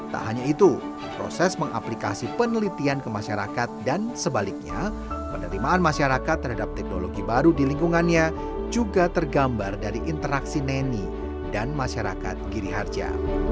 tak hanya itu proses mengaplikasi penelitian ke masyarakat dan sebaliknya penerimaan masyarakat terhadap teknologi baru di lingkungannya juga tergambar dari interaksi neni dan masyarakat giri harja